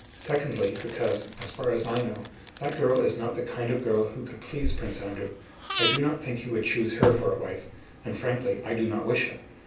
Secondly because, as far as I know, that girl is not the kind of girl who could please Prince Andrew. I do not think he would choose her for a wife, and frankly I do not wish it.